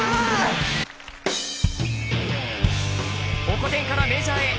ホコ天からメジャーへ。